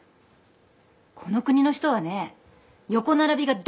この国の人はね横並びが大好きなの。